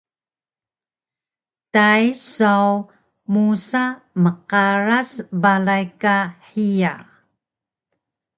Tay saw musa mqaras balay ka hiya